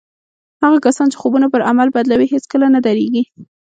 هغه کسان چې خوبونه پر عمل بدلوي هېڅکله نه درېږي